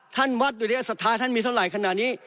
ท่านวัดโดยเรียกว่าสัทธาท่านมีเท่าไหร่ขนาดนี้